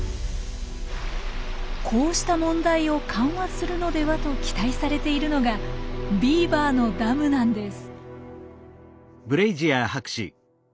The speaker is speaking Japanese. こうした問題を緩和するのではと期待されているのがビーバーのダムなんです。